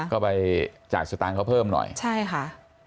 ก็ไปจ่ายสตางค์เขาเพิ่มหน่อยใช่ค่ะ